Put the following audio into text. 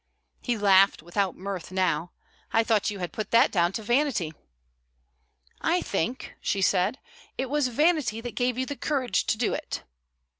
He laughed, without mirth now. "I thought you had put that down to vanity." "I think," she said, "it was vanity that gave you the courage to do it."